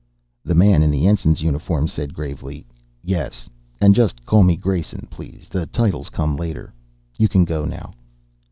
The man in the ensign's uniform said gravely: "Yes. And just call me 'Grayson,' please. The titles come later. You can go now."